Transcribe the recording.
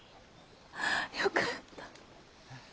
よかった。